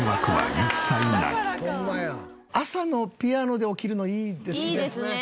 朝のピアノで起きるのいいですね。